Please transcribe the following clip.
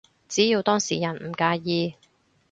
只要當事人唔介意